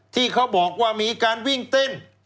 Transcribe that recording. ที่เขาบอกว่ามีการวิ่งเต้น